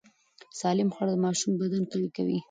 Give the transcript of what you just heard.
سالم خواړه د ماشوم بدن قوي کوي۔